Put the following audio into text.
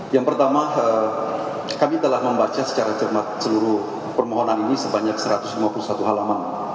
yang pertama kami telah membaca secara cermat seluruh permohonan ini sebanyak satu ratus lima puluh satu halaman